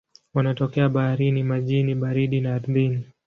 Wanatokea baharini, majini baridi na ardhini.